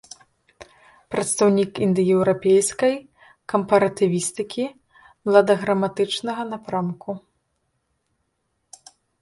Прадстаўнік індаеўрапейскай кампаратывістыкі младаграматычнага напрамку.